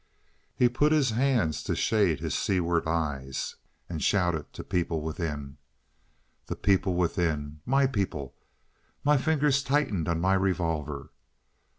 He put his hands to shade his seaward eyes, and shouted to people within. The people within—my people! My fingers tightened on my revolver.